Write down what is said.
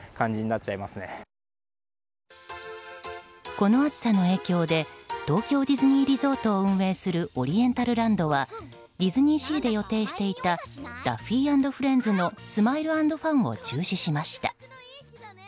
この暑さの影響で東京ディズニーリゾートを運営するオリエンタルランドはディズニーシーで予定していた「ダッフィー＆フレンズのスマイル＆ファン」を中止しました。